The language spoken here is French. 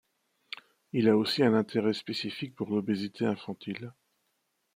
Il a aussi un intérêt spécifique pour l'obésité infantile.